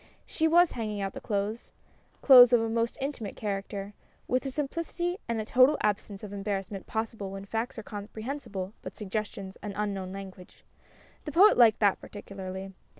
She was hanging out the clothes clothes of a most intimate character with a simplicity and a total absence of embarrassment possible when facts are comprehensible but suggestions an unknown language. The Poet liked that particularly.